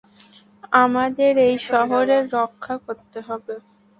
আমাদের এই শহরের রক্ষা করতে হবে।